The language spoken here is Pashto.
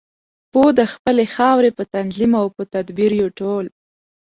پوه د خپلې خاورې په تنظیم او په تدبیر یو ټول.